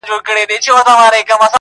بېلوبېلو بادارانوته رسیږي -